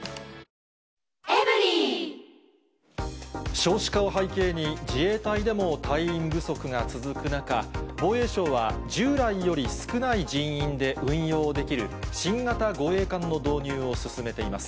少子化を背景に、自衛隊でも隊員不足が続く中、防衛省は従来より少ない人員で運用できる新型護衛艦の導入を進めています。